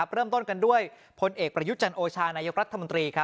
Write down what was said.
เริ่มต้นกันด้วยพลเอกประยุทธ์จันโอชานายกรัฐมนตรี